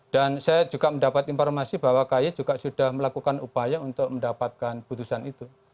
dan saya juga mendapat informasi bahwa ky juga sudah melakukan upaya untuk mendapatkan putusan itu